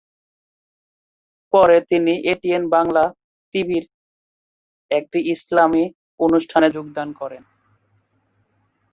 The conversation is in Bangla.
পরে তিনি এটিএন বাংলা টিভির একটি ইসলামি অনুষ্ঠানে যোগদান করেন।